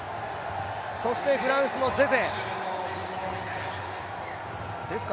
そしてフランスのゼゼ。